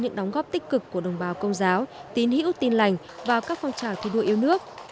những đóng góp tích cực của đồng bào công giáo tin hữu tin lành vào các phong trào thủ đô yêu nước